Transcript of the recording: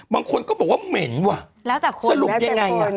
บางคนก็บอกว่าเหม็นว่ะแล้วแต่คนสรุปยังไงอ่ะ